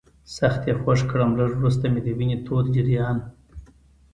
سخت یې خوږ کړم، لږ وروسته مې د وینې تود جریان.